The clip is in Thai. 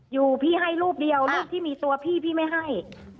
อยู่พี่ให้รูปเดียวรูปที่มีตัวพี่พี่ไม่ให้